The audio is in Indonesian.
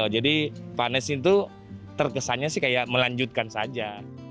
jadi pak anies itu terkesannya sih kayak melanjutkan saja